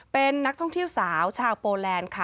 เป็นนักท่องเที่ยวสาวชาวโปแลนด์ค่ะ